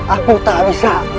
aku tak bisa